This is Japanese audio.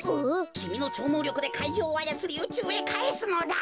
きみのちょうのうりょくで怪獣をあやつりうちゅうへかえすのだ！